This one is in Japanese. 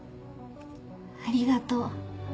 ありがとう